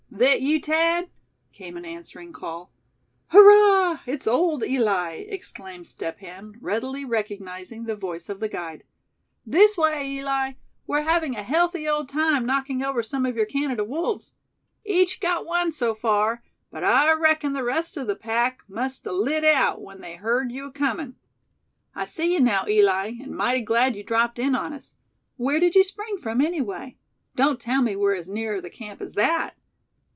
"Thet you, Thad?" came an answering call. "Hurrah! it's Old Eli!" exclaimed Step Hen, readily recognizing the voice of the guide. "This way, Eli; we're having a healthy old time knocking over some of your Canada wolves. Each got one so far, but I reckon the rest of the pack must a lit out when they heard you coming. I see you now, Eli; and mighty glad you dropped in on us. Where did you spring from anyway; don't tell me we're as near the camp as that."